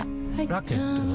ラケットは？